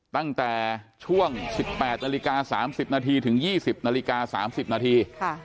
ตั้งแต่ช่วง๑๘นาฬิกา๓๐นาทีถึง๒๐นาฬิกา๓๐นาที